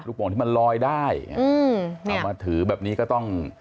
โป่งที่มันลอยได้เอามาถือแบบนี้ก็ต้อง